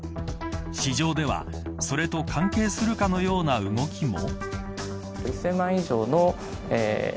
市場ではそれと関係するかのような動きも。